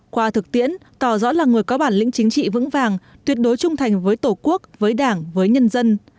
qua thực tiễn tỏ rõ là người có bản lĩnh chính trị vững vàng tuyệt đối trung thành với tổ quốc với đảng với nhân dân